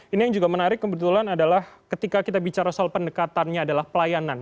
ini yang juga menarik kebetulan adalah ketika kita bicara soal pendekatannya adalah pelayanan